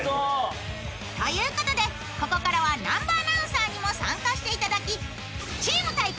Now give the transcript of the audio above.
ということでここからは南波アナウンサーにも参加していただきチーム対抗！